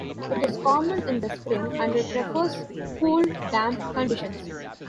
It is common in the spring, and it prefers cool, damp conditions.